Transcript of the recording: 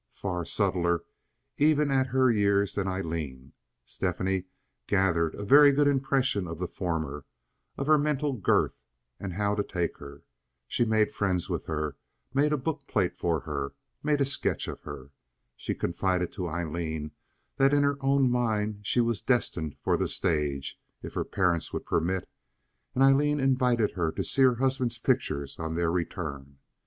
Far subtler, even at her years, than Aileen, Stephanie gathered a very good impression of the former, of her mental girth, and how to take her. She made friends with her, made a book plate for her, made a sketch of her. She confided to Aileen that in her own mind she was destined for the stage, if her parents would permit; and Aileen invited her to see her husband's pictures on their return.